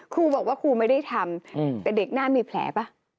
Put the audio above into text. ครูบอกว่าครูไม่ได้ทำแต่เด็กหน้ามีแผลป่ะ